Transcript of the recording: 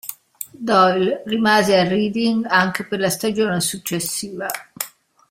Doyle rimase a Reading anche per la stagione successiva.